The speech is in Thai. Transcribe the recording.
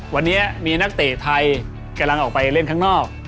วันนี้มีนักเตะไทยกำลังออกไปเล่นข้างนอก